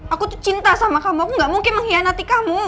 aku tuh cinta sama kamu aku gak mungkin mengkhianati kamu